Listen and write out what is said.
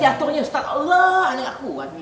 susah diaturin ya astagfirullahaladzim